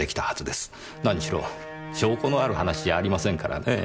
何しろ証拠のある話じゃありませんからねぇ。